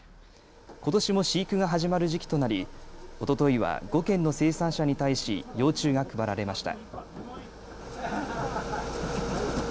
ことしも飼育が始まる時期となりおとといは５軒の生産者に対し幼虫が配られました。